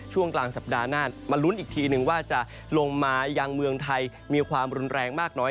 ช่วงกลางสัปดาห์หน้ามาลุ้นอีกทีนึงว่าจะลงมายังเมืองไทยมีความรุนแรงมากน้อย